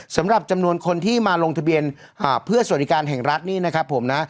สำหรับจำนวนคนที่มาลงทะเบียนเพื่อสวัสดิการแห่งรัฐนี่นะครับผมนะ